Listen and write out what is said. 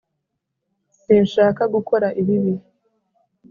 sinshaka gukora ibi.